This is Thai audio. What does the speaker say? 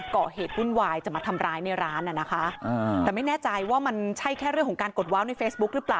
ก่อเหตุวุ่นวายจะมาทำร้ายในร้านน่ะนะคะแต่ไม่แน่ใจว่ามันใช่แค่เรื่องของการกดว้าวในเฟซบุ๊คหรือเปล่า